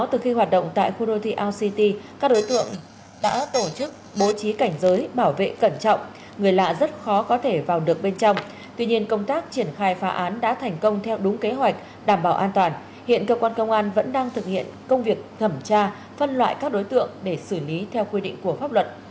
từ khi hoạt động tại khu đô thị our city các đối tượng đã tổ chức bố trí cảnh giới bảo vệ cẩn trọng người lạ rất khó có thể vào được bên trong tuy nhiên công tác triển khai phá án đã thành công theo đúng kế hoạch đảm bảo an toàn hiện cơ quan công an vẫn đang thực hiện công việc thẩm tra phân loại các đối tượng để xử lý theo quy định của pháp luật